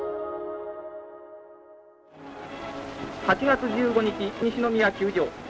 ８月１５日西宮球場。